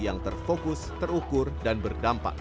yang terfokus terukur dan berdampak